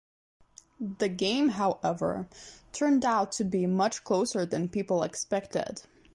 The game, however, turned out to be much closer than people expected.